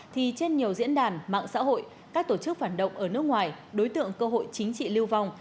thì trên nhiều diễn đàn mạng xã hội các tổ chức phản động ở nước ngoài đối tượng cơ hội chính trị lưu vong